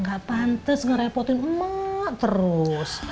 gak pantes ngerepotin emak terus